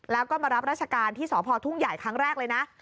แล้วก็มารับราชการที่สพทุ่งใหญ่ครั้งแรกเลยนะ